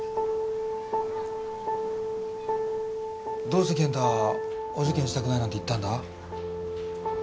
どうして健太お受験したくないなんて言ったんだ？